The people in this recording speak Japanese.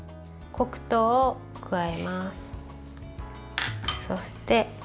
黒糖を加えます。